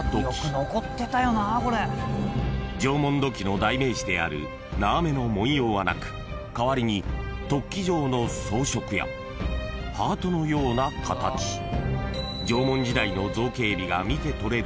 ［縄文土器の代名詞である縄目の文様はなく代わりに突起状の装飾やハートのような形縄文時代の造形美が見て取れる